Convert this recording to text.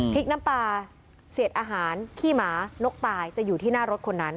พริกน้ำปลาเศษอาหารขี้หมานกตายจะอยู่ที่หน้ารถคนนั้น